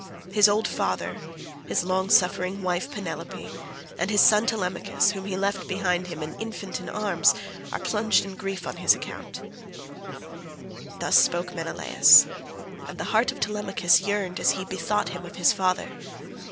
His old father, his long suffering wife Penelope, and his son Telemachus, whom he left behind him an infant in arms, are plunged in grief on his account." Thus spoke Menelaus, and the heart of Telemachus yearned as he bethought him of his father.